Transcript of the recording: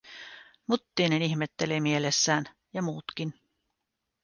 Muttinen ihmettelee mielessään, ja muutkin.